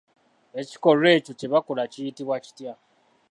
Ekikolwa ekyo kye bakola kiyitibwa kitya?